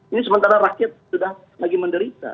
ini sementara rakyat sudah lagi menderita